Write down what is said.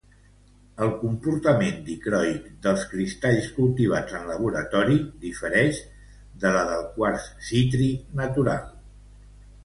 El comportament dicroic dels cristalls cultivats en laboratori difereix de la del quars citrí natural.